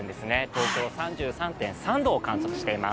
東京３３．３度を観測しています。